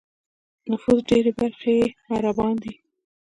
د نفوس ډېری برخه یې عربان دي.